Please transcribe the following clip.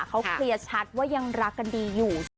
เขาเคลียร์ชัดว่ายังรักกันดีอยู่